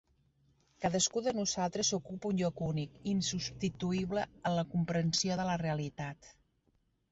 Cadascú de nosaltres ocupa un lloc únic, insubstituïble, en la comprensió de la realitat.